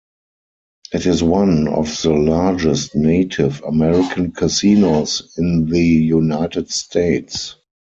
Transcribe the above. It is one of the largest Native American casinos in the United States.